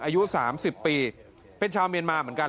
อายุ๓๐ปีเป็นชาวเมียนมาเหมือนกัน